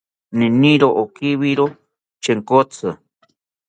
Iniro okiwiro Chenkotzi